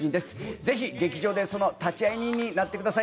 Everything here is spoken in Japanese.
ぜひ劇場でその立会人になってください。